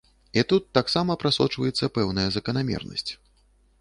І тут таксама прасочваецца пэўная заканамернасць.